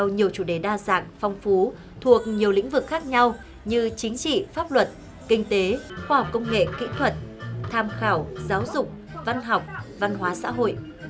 nhiều chủ đề đa dạng phong phú thuộc nhiều lĩnh vực khác nhau như chính trị pháp luật kinh tế khoa học công nghệ kỹ thuật tham khảo giáo dục văn học văn hóa xã hội